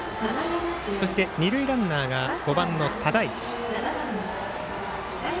そして二塁ランナーが５番の只石。